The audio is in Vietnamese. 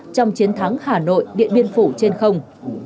trong chiến thắng hà nội điện biên phủ trên không